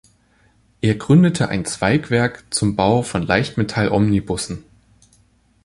Er gründete ein Zweigwerk zum Bau von Leichtmetall-Omnibussen.